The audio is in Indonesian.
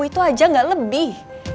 itu aja gak lebih